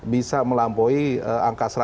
bisa melampaui angka seratus